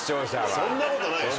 そんなことないでしょ。